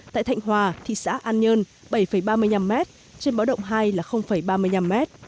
tại thạnh hòa thị xã an nhơn bảy ba mươi năm mét trên bớt động hai là ba mươi năm mét